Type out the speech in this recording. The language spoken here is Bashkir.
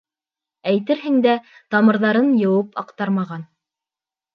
Әйтерһең дә, Тамырҙарын йыуып аҡтармаған!